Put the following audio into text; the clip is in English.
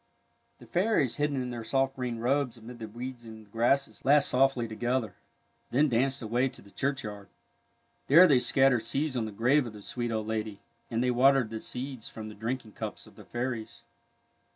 The fairies, hidden in their soft green robes amid the weeds and the grasses, laughed softly 40 THE NARCISSUS AND TULIP together, then danced away to the churchyard. There they scattered seeds on the grave of the sweet old lady, and they watered the seeds from the drinking cups of the fairies.